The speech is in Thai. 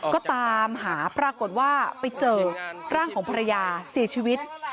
ก็ตามหาปรากฏว่าไปเจอร่างของภรรยาเสียชีวิต